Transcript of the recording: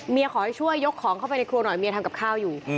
ขอให้ช่วยยกของเข้าไปในครัวหน่อยเมียทำกับข้าวอยู่